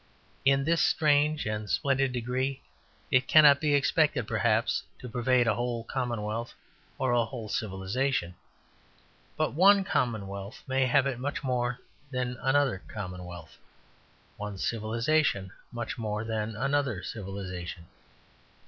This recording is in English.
In this strange and splendid degree it cannot be expected, perhaps, to pervade a whole commonwealth or a whole civilization; but one commonwealth may have it much more than another commonwealth, one civilization much more than another civilization.